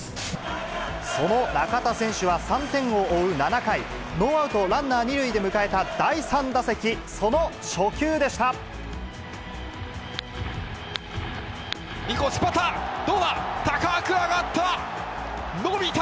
その中田選手は、３点を追う７回、ノーアウトランナー２塁で迎えた第３打席、その初球でした。